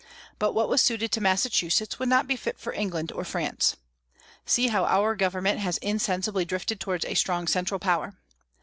But what was suited to Massachusetts would not be fit for England or France. See how our government has insensibly drifted towards a strong central power.